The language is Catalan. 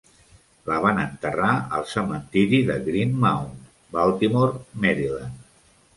La van enterrar al cementiri de Green Mount, Baltimore, Maryland.